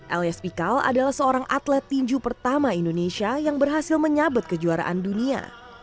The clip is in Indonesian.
elias pikal adalah seorang atlet tinju pertama indonesia yang berhasil menyabet kejuaraan dunia